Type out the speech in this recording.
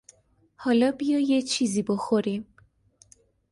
حالا بیا یه چیزی بخوریم.